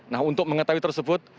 nah untuk mengetahui tersebut